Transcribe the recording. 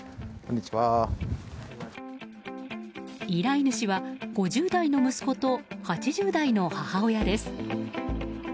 依頼主は５０代の息子と８０代の母親です。